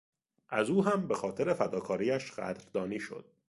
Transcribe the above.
از او هم به خاطر فداکاریش قدردانی شد.